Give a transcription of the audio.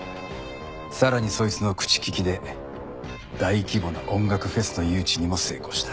さらにそいつの口利きで大規模な音楽フェスの誘致にも成功した。